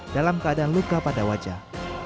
dalam keadaan luka pada wajah